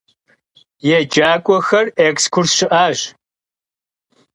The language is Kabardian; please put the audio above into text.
Yêcak'uexer ekskurs şı'aş.